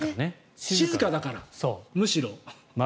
静かだから、むしろ。